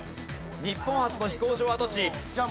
日本初の飛行場跡地。